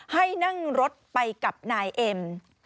ให้นั่งรถไปกับนายเอ็ม